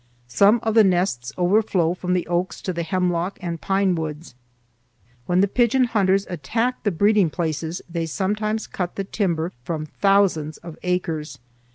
Some of the nests overflow from the oaks to the hemlock and pine woods. When the pigeon hunters attack the breeding places they sometimes cut the timber from thousands of acres.